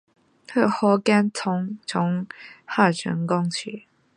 此后跟从张辅征战交址。